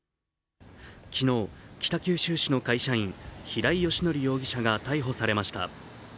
昨日、北九州市の会社員、平井英康容疑者が逮捕されました。